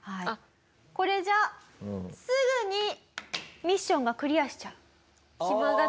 これじゃすぐにミッションがクリアしちゃう。